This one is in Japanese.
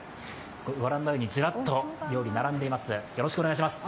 ご覧のようにずらっと料理並んでいます。